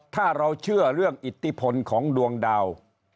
ถ้าเราเชื่อเรื่องอิทธิพลของดวงดาว